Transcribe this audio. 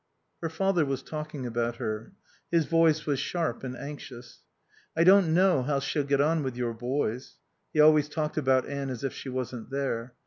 Her father was talking about her. His voice was sharp and anxious. "I don't know how she'll get on with your boys." (He always talked about Anne as if she wasn't there.)